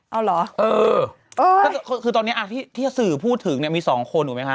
เอาเหรอเออชิคกี้พายพูดถึงเนี่ยมีสองคนเหรอไหมคะ